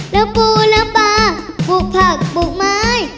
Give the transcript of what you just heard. แล้วปูน้ำปลาปลูกผักปลูกไม้